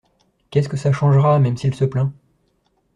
Qu’est ce que ça changera même s’il se plaint.